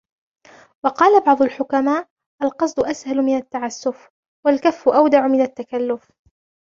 وَقَالَ بَعْضُ الْحُكَمَاءِ الْقَصْدُ أَسْهَلُ مِنْ التَّعَسُّفِ ، وَالْكَفُّ أَوْدَعُ مِنْ التَّكَلُّفِ